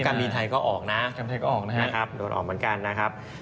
อุกรณีไทยก็ออกนะครับโดดออกเหมือนกันนะครับ